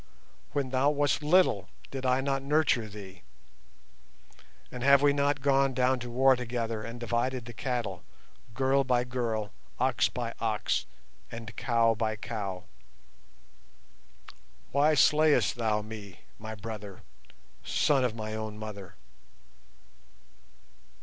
When thou wast little did I not nurture thee, and have we not gone down to war together and divided the cattle, girl by girl, ox by ox, and cow by cow? Why slayest thou me, my brother, son of my own mother?